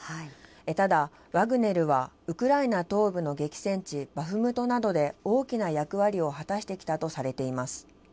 ただ、ワグネルはウクライナ東部の激戦地、バフムトなどで大きな役割を果たしてきたとされています。